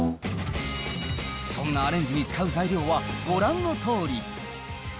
そんなアレンジに使う材料はご覧のとおり。